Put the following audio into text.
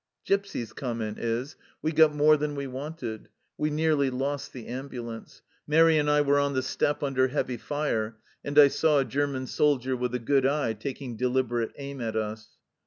Gipsy's comment is : "We got more than we wanted : we nearly lost the ambulance. Mairi and I were on the step under heavy fire, and I saw a German soldier with a good eye taking deliberate aim at us."